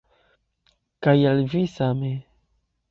Kaj al vi same.